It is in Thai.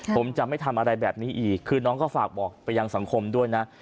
ผมจะไม่ทำอะไรแบบนี้อีกคือน้องก็ฝากบอกไปยังสังคมด้วยนะ